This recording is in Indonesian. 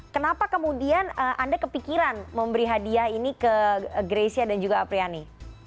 kenapa kemudian anda kepikiran memberi hadiah ini ke greysia dan juga apriani